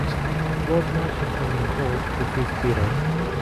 George Martin has been called the fifth Beatle.